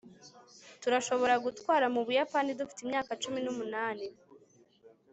turashobora gutwara mu buyapani dufite imyaka cumi n'umunani